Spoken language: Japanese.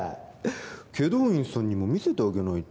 祁答院さんにも見せてあげないと